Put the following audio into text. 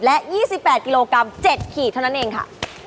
และ๒๘กิโลกรัม๗ขีดเท่านั้นเองค่ะ